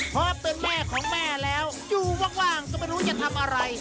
เพราะเป็นแม่ของแม่แล้วอยู่ว่างก็ไม่รู้จะทำอะไร